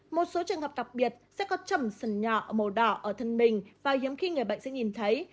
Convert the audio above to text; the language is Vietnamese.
một số trường hợp đặc biệt sẽ có trầm sừng nhỏ màu đỏ ở thân mình và hiếm khi người bệnh sẽ nhìn thấy